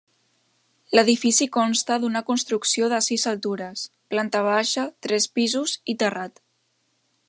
L'edifici consta d'una construcció de sis altures, planta baixa, tres pisos i terrat.